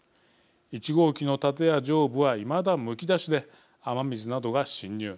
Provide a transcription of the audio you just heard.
１号機の建屋上部はいまだむき出しで雨水などが浸入。